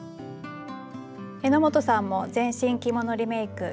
榎本さんも全身着物リメイク。